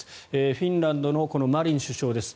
フィンランドのマリン首相です。